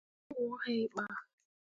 Mo gi gah wuu hai bah.